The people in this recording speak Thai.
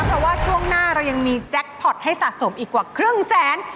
เพราะว่าช่วงหน้าเรายังมีแจ็คพอร์ตให้สะสมอีกกว่าครึ่งแสน